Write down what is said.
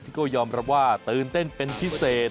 โก้ยอมรับว่าตื่นเต้นเป็นพิเศษ